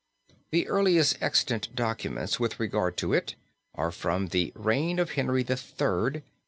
The earliest extant documents with regard to it are from the Reign of Henry III.